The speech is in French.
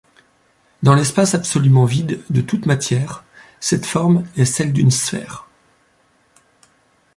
Dans l'espace absolument vide de toute matière, cette forme est celle d'une sphère.